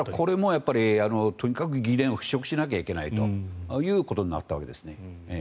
これもとにかく疑念を払しょくしないといけないということになったわけです。